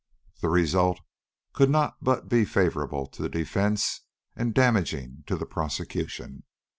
The result could not but be favorable to the defence and damaging to the prosecution.